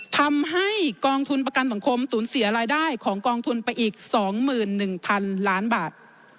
ทำให้กองทุนประกันสังคมสูญเสียรายได้ของกองทุนไปอีก๒๑๐๐๐ล้านบาท